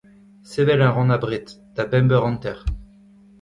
Sevel a ran abred, da bemp eur hanter.